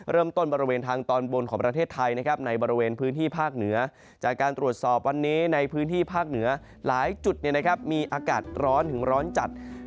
บริเวณทางตอนบนของประเทศไทยนะครับในบริเวณพื้นที่ภาคเหนือจากการตรวจสอบวันนี้ในพื้นที่ภาคเหนือหลายจุดมีอากาศร้อนถึงร้อนจัด